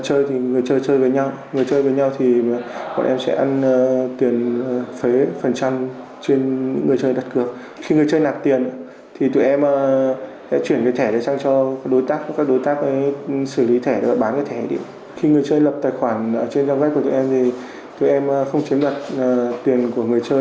ở trên giao gách của tụi em thì tụi em không chiếm đặt tiền của người chơi